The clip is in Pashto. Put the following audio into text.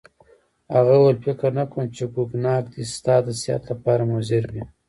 هغه وویل: فکر نه کوم چي کوګناک دي ستا د صحت لپاره مضر وي.